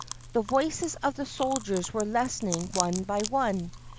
The voices of the soldiers were lessening one by one.